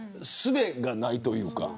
べがないというか。